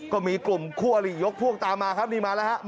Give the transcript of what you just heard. ก็มีกลุ่มคู่อลิยกพวกตามมาครับนี่มาแล้วฮะ